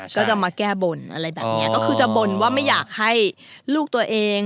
ก็จะมาแก้บนอะไรแบบนี้ก็คือจะบ่นว่าไม่อยากให้ลูกตัวเอง